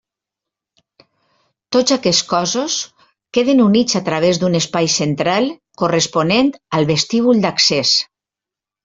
Tots aquests cossos queden units a través d'un espai central corresponent al vestíbul d'accés.